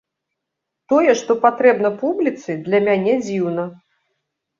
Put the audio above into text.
Тое, што патрэбна публіцы, для мяне дзіўна.